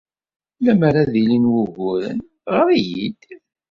Lemmer ad d-ilin wuguren, ɣer-iyi-d.